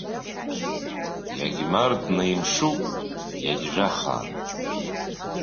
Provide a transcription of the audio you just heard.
Иагьмартны, имшуп, иагьжәахан!